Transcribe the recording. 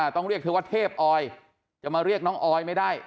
ต้องเรียกเธอว่าเทพอออยจะมาเรียกน้องออยไม่ได้